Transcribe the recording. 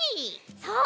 そう！